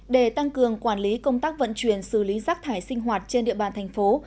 để tăng cường quản lý công tác vận chuyển xử lý rác thải sinh hoạt trên địa bàn thành phố